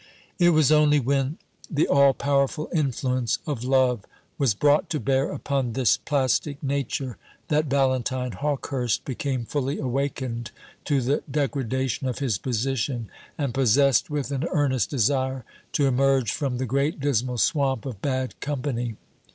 It was only when the all powerful influence of love was brought to bear upon this plastic nature that Valentine Hawkehurst became fully awakened to the degradation of his position, and possessed with an earnest desire to emerge from the great dismal swamp of bad company.